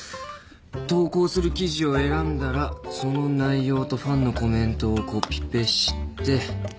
投稿する記事を選んだらその内容とファンのコメントをコピペして。